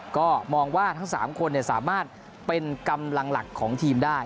ก็มองว่าทั้ง๓คนสามารถเป็นกำลังหลักของทีมได้